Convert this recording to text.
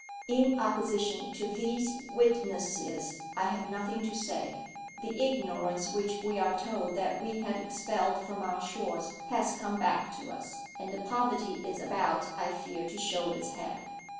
In opposition to these witnesses I have nothing to say. The ignorance which we are told that we had expelled from our shores, has come back to us; and the poverty is about, I fear, to show its head."